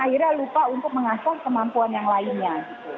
akhirnya lupa untuk mengasah kemampuan yang lainnya